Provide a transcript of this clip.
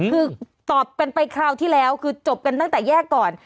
คือตอบกันไปคราวที่แล้วคือจบกันตั้งแต่แยกก่อน